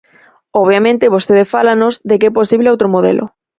Obviamente vostede fálanos de que é posible outro modelo.